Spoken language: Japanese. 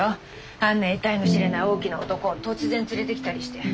あんなえたいの知れない大きな男を突然連れてきたりして。